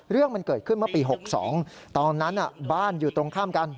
เรื่องมันเกิดขึ้นเมื่อปี๖๒ตอนนั้นบ้านอยู่ตรงข้ามกัน